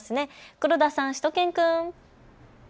黒田さん、しゅと犬くん。